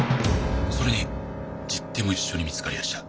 それに十手も一緒に見つかりやした。